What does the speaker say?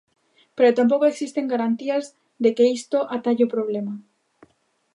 Pero tampouco existen garantías de que isto atalle o problema.